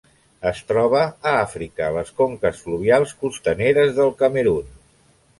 Es troba a Àfrica: les conques fluvials costaneres del Camerun.